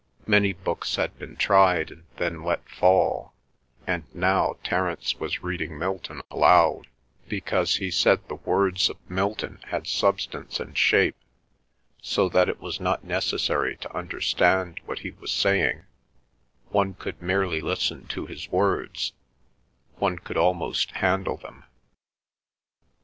Many books had been tried and then let fall, and now Terence was reading Milton aloud, because he said the words of Milton had substance and shape, so that it was not necessary to understand what he was saying; one could merely listen to his words; one could almost handle them.